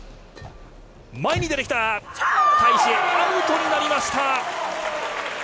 前に出てきた、タイ・シエイ、アウトになりました。